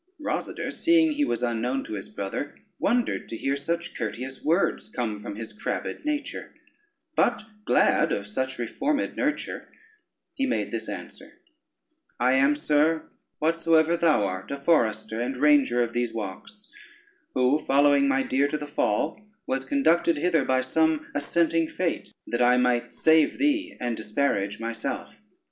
Rosader, seeing he was unknown to his brother, wondered to hear such courteous words come from his crabbed nature; but glad of such reformed nurture, he made this answer: "I am, sir, whatsoever thou art, a forester and ranger of these walks, who, following my deer to the fall, was conducted hither by some assenting fate, that I might save thee, and disparage myself.